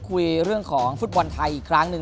คุยเรื่องของฟุตบอลไทยอีกครั้งหนึ่ง